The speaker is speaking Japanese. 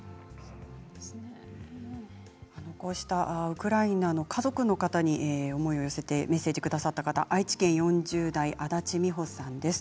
こうしたウクライナの家族の方に思いを寄せてメッセージをくださった方愛知県４０代の方です。